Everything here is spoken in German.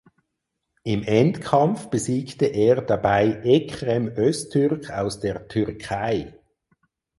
Im Endkampf besiegte er dabei Ekrem Öztürk aus der Türkei.